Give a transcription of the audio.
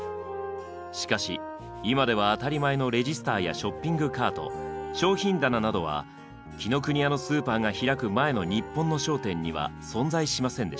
しかし今では当たり前のレジスターやショッピングカート商品棚などは紀ノ国屋のスーパーが開く前の日本の商店には存在しませんでした。